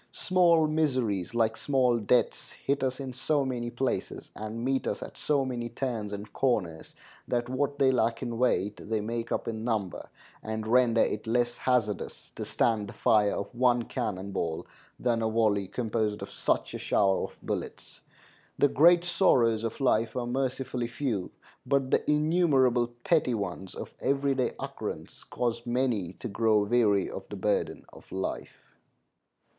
Small miseries, like small debts, hit us in so many places and meet us at so many turns and corners, that what they lack in weight they make up in number, and render it less hazardous to stand the fire of one cannon ball than a volley composed of such a shower of bullets. The great sorrows of life are mercifully few, but the innumerable petty ones of every day occurrence cause many to grow weary of the burden of life.